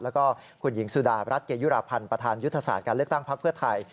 แล้วก็คุณหญิงสุดารัฐเกยุราพันธ์ประธานยุทธศาสตร์การเลือกตั้งพักเพื่อไทย